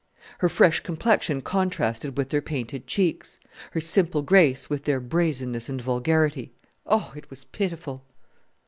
Her fresh complexion contrasted with their painted cheeks; her simple grace with their brazenness and vulgarity. "Oh, it was pitiful!"